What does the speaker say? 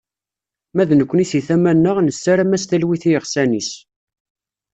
Ma d nekni seg tama-nneɣ, nessaram-as talwit i yiɣsan-is.